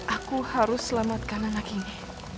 aku harus selamatkan anak ini